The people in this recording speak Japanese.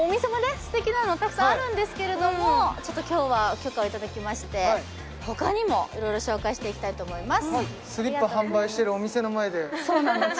素敵なのたくさんあるんですけれども今日は許可をいただきまして他にもいろいろ紹介していきたいと思います